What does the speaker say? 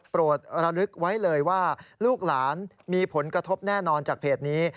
ระลึกไว้เลยว่าลูกหลานมีผลกระทบแน่นอนจากเพจนี้